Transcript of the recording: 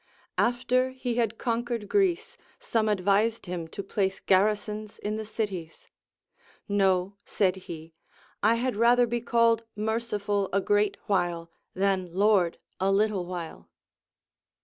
After he had conquered Greece, some advised him to place garrisons in the cities. No, said he, I had rather be called merciful a great while, than lord a little while.